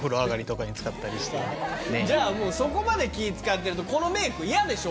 じゃあそこまで気ぃ使ってるとこのメイク嫌でしょ？